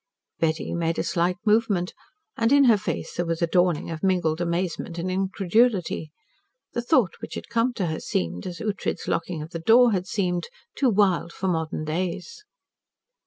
Betty made a slight movement, and in her face there was a dawning of mingled amazement and incredulity. The thought which had come to her seemed as Ughtred's locking of the door had seemed too wild for modern days.